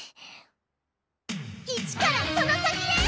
１からその先へ！